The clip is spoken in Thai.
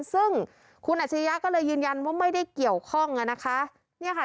ซึ่งคุณอัชริยะก็เลยยืนยันว่าไม่ได้เกี่ยวข้องอ่ะนะคะเนี่ยค่ะ